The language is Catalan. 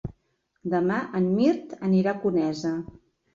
Demà en Mirt anirà a Conesa.